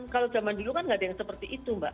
kalau zaman dulu kan nggak ada yang seperti itu mbak